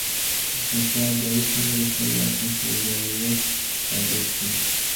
احمد شاه ابدالي څنګه د خپل واک مشروعيت ثابت کړ؟